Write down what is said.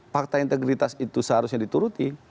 fakta integritas itu seharusnya dituruti